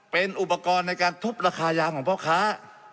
เป็นอุปกรณ์ในการทุบราคายางของพ่อค้า